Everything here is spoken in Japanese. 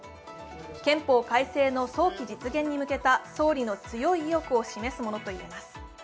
憲法改正の早期実現に向けた総理の強い意欲を示すものといえます。